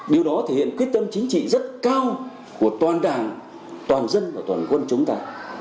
điều đó thể hiện quyết tâm chính trị rất cao của toàn đảng toàn dân và toàn quân chúng ta